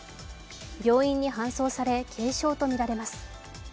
病院に搬送され軽傷とみられます。